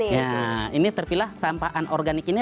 nah ini terpilah sampah anorganik ini